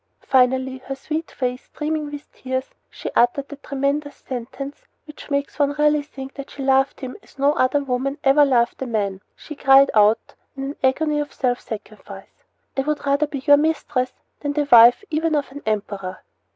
Finally, her sweet face streaming with tears, she uttered that tremendous sentence which makes one really think that she loved him as no other woman ever loved a man. She cried out, in an agony of self sacrifice: "I would rather be your mistress than the wife even of an emperor!"